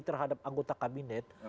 terhadap anggota kabinet